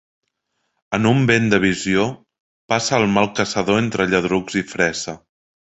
En un vent de visió passa el mal caçador entre lladrucs i fressa.